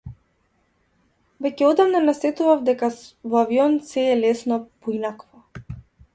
Веќе одамна насетував дека во авион сѐ е лесно, поинакво.